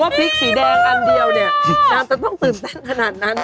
พริกสีแดงอันเดียวเนี่ยนางจะต้องตื่นเต้นขนาดนั้น